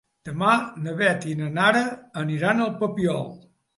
Demà na Beth i na Nara aniran al Papiol.